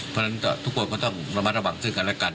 เพราะฉะนั้นทุกคนก็ต้องระมัดระวังซึ่งกันและกัน